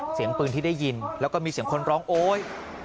เสียงปืนที่ได้ยินแล้วก็มีเสียงคนร้องโอ๊ย